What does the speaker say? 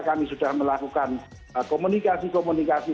kami sudah melakukan komunikasi komunikasi